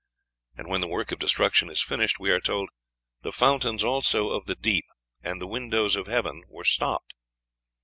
And when the work of destruction is finished, we are told "the fountains also of the deep and the windows of heaven were stopped."